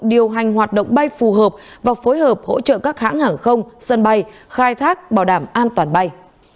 điều hành hoạt động bay phù hợp và phối hợp hỗ trợ các hãng hàng không sân bay khai thác bảo đảm an toàn bay